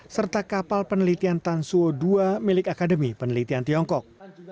serta kapal penelitian tansuo ii milik akademi penelitian tiongkok